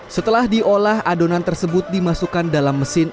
setelah diolah adonan tersebut dimasukkan dalam mesin